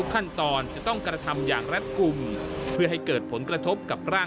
ขอบคุณครับ